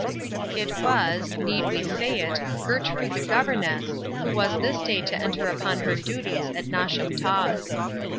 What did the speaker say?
It was—need we say it—Gertrude the Governess, who was this day to enter upon her duties at Nosham Taws.